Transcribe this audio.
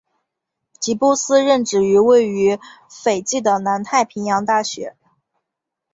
吉布斯任职于位于斐济的南太平洋大学。